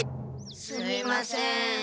すみません。